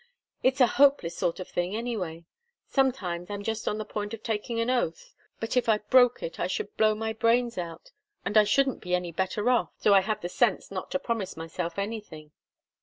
It's a hopeless sort of thing, anyway. Sometimes I'm just on the point of taking an oath. But if I broke it, I should blow my brains out, and I shouldn't be any better off. So I have the sense not to promise myself anything."